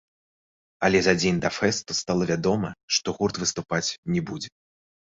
Але за дзень да фэсту стала вядома, што гурт выступаць не будзе.